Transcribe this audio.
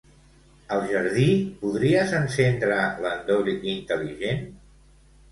Al jardí, podries encendre l'endoll intel·ligent?